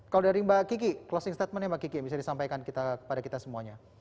kalau dari mbak kiki closing statementnya mbak kiki bisa disampaikan kepada kita semuanya